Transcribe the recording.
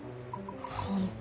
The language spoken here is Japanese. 本当。